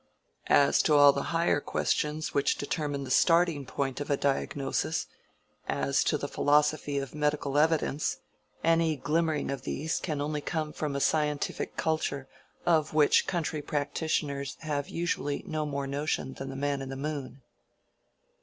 As to all the higher questions which determine the starting point of a diagnosis—as to the philosophy of medical evidence—any glimmering of these can only come from a scientific culture of which country practitioners have usually no more notion than the man in the moon."